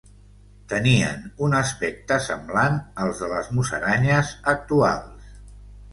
Tenien un aspecte semblant al de les musaranyes actuals.